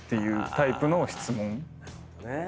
なるほどね。